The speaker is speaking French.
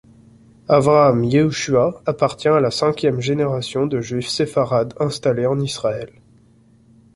Avraham Yehoshua appartient à la cinquième génération de juifs sépharades installés en Israël.